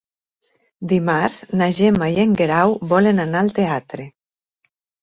Dimarts na Gemma i en Guerau volen anar al teatre.